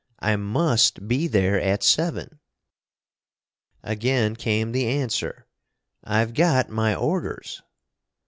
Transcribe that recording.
I must be there at seven!" Again came the answer, "I've got my orders!"